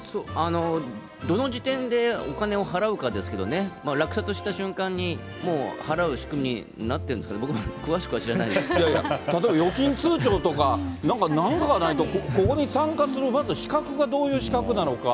どの時点でお金を払うかですけどね、落札した瞬間にもう払う仕組みになってるんですかね、いやいや、例えば預金通帳とかなんか、なんかないと、ここに参加するまず資格がどういう資格なのか。